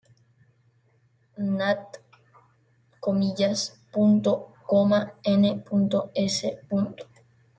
Nat"., n.s.